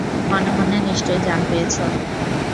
মনে মনে নিশ্চয় জান পেয়েছ।